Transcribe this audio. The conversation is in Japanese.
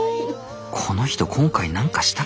この人今回何かしたっけ？